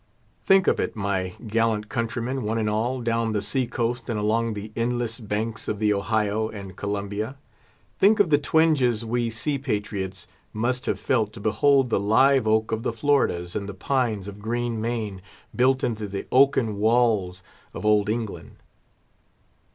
Think of it, my gallant countrymen, one and all, down the sea coast and along the endless banks of the Ohio and Columbia—think of the twinges we sea patriots must have felt to behold the live oak of the Floridas and the pines of green Maine built into the oaken walls of Old England!